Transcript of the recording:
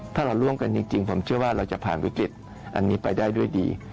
ถ้าเราร่วมกันจริงผมเชื่อว่าเราจะผ่านวิกฤตอันนี้ไปได้ด้วยดี